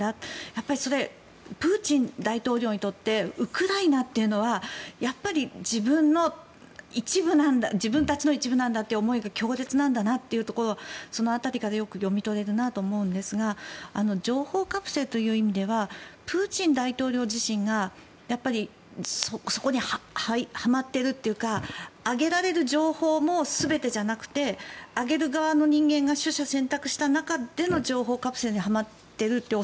やっぱりそれはプーチン大統領にとってウクライナというのはやっぱり自分たちの一部なんだという思いが強烈なんだなという思いがその辺りから読み取れるなと思うんですが情報カプセルという意味ではプーチン大統領自身がそこにはまっているというか上げられる情報も全てじゃなくて上げる側の人間が取捨選択した中での情報カプセルにはまっているという